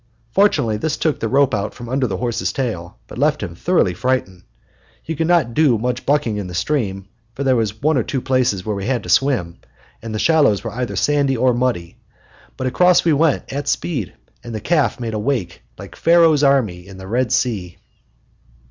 Fortunately, this took the rope out from under the horse's tail, but left him thoroughly frightened. He could not do much bucking in the stream, for there were one or two places where we had to swim, and the shallows were either sandy or muddy; but across we went, at speed, and the calf made a wake like Pharaoh's army in the Red Sea.